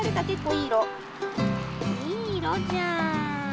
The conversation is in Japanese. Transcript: いいいろじゃん。